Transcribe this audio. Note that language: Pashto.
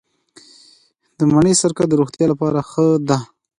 د مڼې سرکه د روغتیا لپاره ښه ده.